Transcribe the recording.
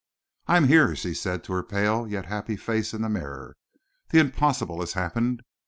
"I'm here," she said to her pale, yet happy face in the mirror. "The impossible has happened.